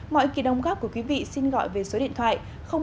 mọi kỳ đồng góp của quý vị xin gọi về số điện thoại